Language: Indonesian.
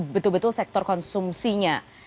betul betul sektor konsumsinya